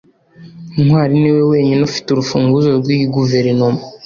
ntwali niwe wenyine ufite urufunguzo rwiyi guverinoma